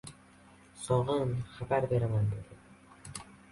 So‘g‘in xabar beraman, dedi.